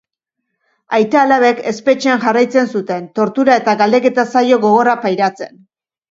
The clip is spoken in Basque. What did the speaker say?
Aita-alabek espetxean jarraitzen zuten, tortura- eta galdeketa-saio gogorrak pairatzen.